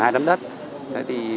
hai đám đất